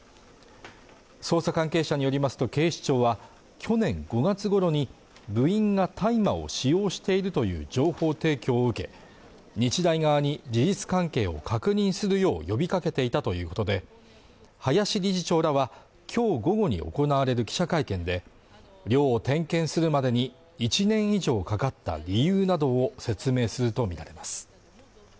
捜査関係者によりますと警視庁は去年５月ごろに部員が大麻を使用しているという情報提供を受け日大側に事実関係を確認するよう呼びかけていたということで林理事長らは今日午後に行われる記者会見で寮を点検するまでに１年以上かかった理由などを説明するとみられます